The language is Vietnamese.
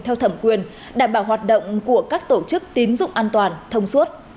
theo thẩm quyền đảm bảo hoạt động của các tổ chức tín dụng an toàn thông suốt